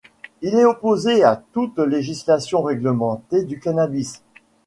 Il est opposé à toute légalisation réglementée du cannabis.